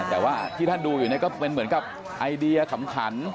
แต่ว่าที่ท่านดูอยู่เนี่ยก็เป็นเหมือนกับไอเดียขำขัน